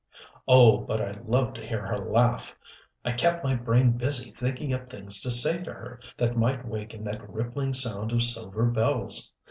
Oh, but I loved to hear her laugh! I kept my brain busy thinking up things to say to her, that might waken that rippling sound of silver bells!